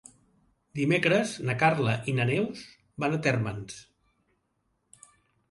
Dimecres na Carla i na Neus van a Térmens.